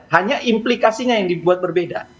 hanya implikasinya yang dibuat berbeda